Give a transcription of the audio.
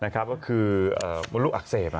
ก็คือมดลูกอักเสบ